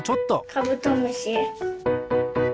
カブトムシ。